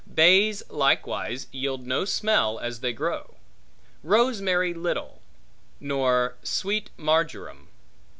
Bays likewise yield no smell as they grow. Rosemary little; nor sweet marjoram.